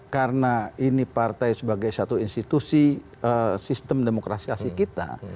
karena ini partai sebagai satu institusi sistem demokrasiasi kita